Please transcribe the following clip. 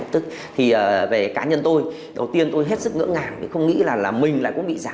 lập tức thì về cá nhân tôi đầu tiên tôi hết sức ngỡ ngàng vì không nghĩ là là mình lại có bị giả